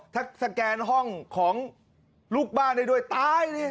ถ้าสแกนห้องของลูกบ้านได้ด้วยตายดิ